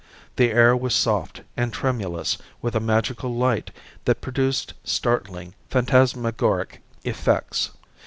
The air was soft and tremulous with a magical light that produced startling phantasmagoric effects.